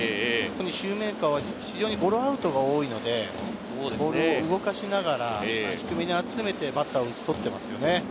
シューメーカーは非常にゴロアウトが多いので、動かしながら、低めに集めてバッターを打ち取ってますよね。